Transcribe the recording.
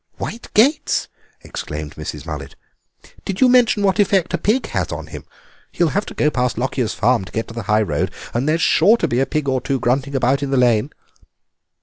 "White gates!" exclaimed Mrs. Mullet; "did you mention what effect a pig has on him? He'll have to go past Lockyer's farm to get to the high road, and there's sure to be a pig or two grunting about in the lane."